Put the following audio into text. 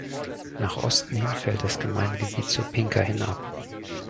Nach Osten hin fällt das Gemeindegebiet zur Pinka hin ab.